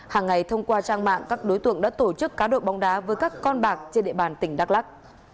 hàng ngày thông qua trang mạng các đối tượng đã tổ chức cá độ bóng đá với các con bạc trên địa bàn tỉnh đắk lắc